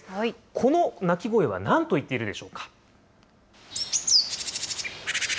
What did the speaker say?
この鳴き声はなんといっているでしょうか。